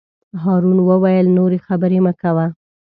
هارون وویل: نورې خبرې مه کوه.